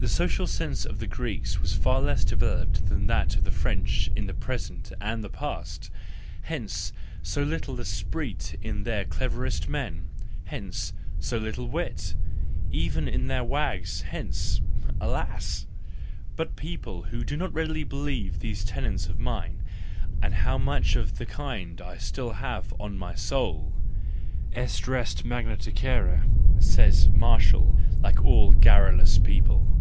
—The social sense of the Greeks was far less developed than that of the French in the THE JOYFUL WISDOM, II 115 present and the past; hence, so little esprit in their cleverest men, hence, so little wit, even in their wags, hence—alas! But people will not readily believe these tenets of mine, and how much of the kind I have still on my soul !—Est res magna tacere —says Martial, like all garrulous people.